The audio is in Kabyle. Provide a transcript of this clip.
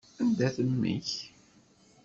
Anda-t mmi-k?